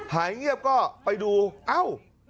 หายเงียบก็ไปดูเอ้า